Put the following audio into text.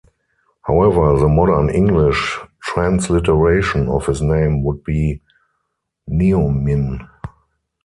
However, the modern English transliteration of his name would be Neuymin.